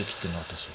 私。